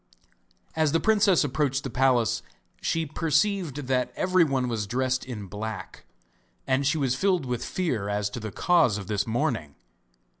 As the princess approached the palace she perceived that everyone was dressed in black, and she was filled with fear as to the cause of this mourning.